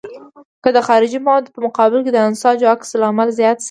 که د خارجي موادو په مقابل کې د انساجو عکس العمل زیات شي.